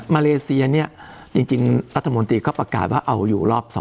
เลเซียเนี่ยจริงรัฐมนตรีก็ประกาศว่าเอาอยู่รอบ๒